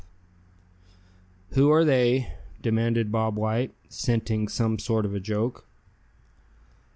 "Who are they?" demanded Bob White, scenting some sort of joke.